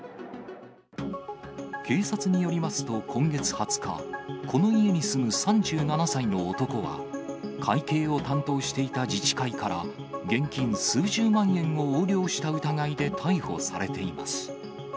警察によりますと、今月２０日、この家に住む３７歳の男は、会計を担当していた自治会から、現金数十万円を横領した疑いで逮捕されています。